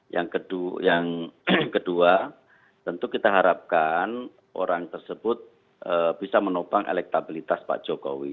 yang kedua tentu kita harapkan orang tersebut bisa menopang elektabilitas pak jokowi